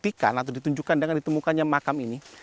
memastikan atau ditunjukkan dengan ditemukannya makam ini